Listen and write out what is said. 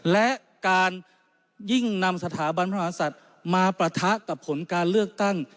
และการยิ่งนำสถาบันพระมหาศัตริย์มาปะทะกับผลการเลือกตั้ง